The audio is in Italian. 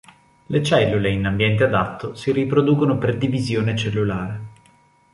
Le cellule, in ambiente adatto, si riproducono per divisione cellulare.